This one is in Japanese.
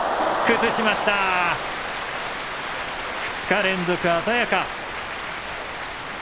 ２日連続、鮮やか。